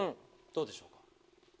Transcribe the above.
どうでしょうか？